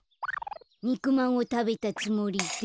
にくまんをたべたつもりで。